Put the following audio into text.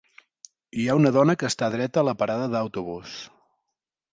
Hi ha una dona que està dreta a la parada d'autobús.